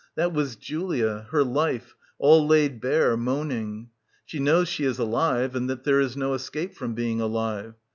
That was Julia, her life, all laid bare, moaning. ... She knows she is alive and that there is no escape from being alive.